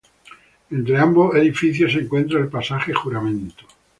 Entre ambos edificios se encuentra el pasaje Juramento.